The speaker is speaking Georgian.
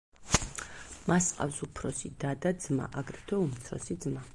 მას ჰყავს უფროსი და და ძმა, აგრეთვე უმცროსი ძმა.